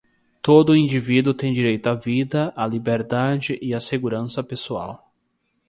Todo indivíduo tem direito à vida, à liberdade e à segurança pessoal.